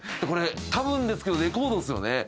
これたぶんですけどレコードですよね。